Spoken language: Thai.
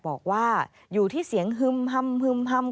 บอกว่าอยู่ที่เสียงฮึมฮำ